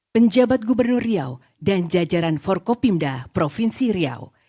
penjabat gubernur riau dan jajaran forkopimda provinsi riau